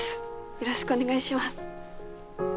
よろしくお願いします。